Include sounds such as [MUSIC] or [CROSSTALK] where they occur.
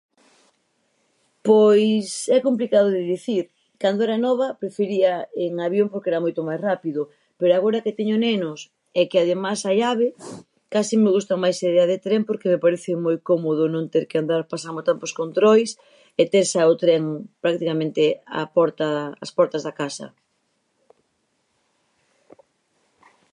Pois é complicado de decir, cando era nova prefería en avión porque era moito máis rápido, pero agora que teño nenos e que ademas hai ave, case me gusta máis a idea de tren porque me parece moi cómodo non ter que andar, pasar [UNINTELLIGIBLE] controis e tes xa o tren practicamente á porta, ás portas da casa.